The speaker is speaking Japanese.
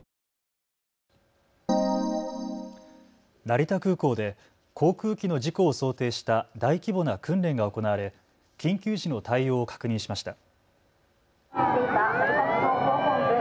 成田空港で航空機の事故を想定した大規模な訓練が行われ緊急時の対応を確認しました。